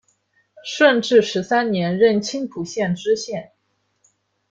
顺治十三年任青浦县知县。